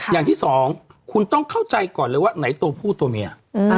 อย่างที่สองคุณต้องเข้าใจก่อนเลยว่าไหนตัวผู้ตัวเมีย